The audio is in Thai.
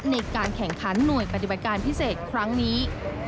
ในการแข่งขันหน่วยปฏิบัติการพิเศษครั้งนี้